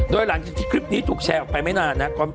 โดยหลังจากที่คลิปนี้ถูกแชร์ออกไปไม่นานนะครับ